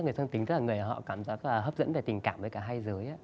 người song tính tức là người họ cảm giác hấp dẫn về tình cảm với cả hai giới